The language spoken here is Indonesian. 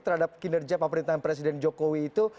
terhadap kinerja pemerintahan presiden jokowi itu